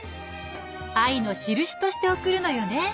愛のしるしとして贈るのよね！